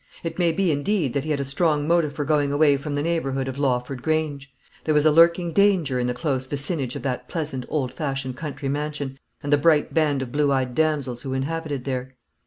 It may be, indeed, that he had a strong motive for going away from the neighbourhood of Lawford Grange. There was a lurking danger in the close vicinage of that pleasant, old fashioned country mansion, and the bright band of blue eyed damsels who inhabited there.